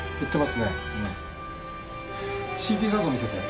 ＣＴ画像見せて。